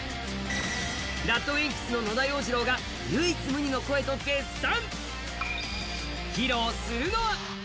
ＲＡＤＷＩＭＰＳの野田洋次郎が唯一無二と絶賛！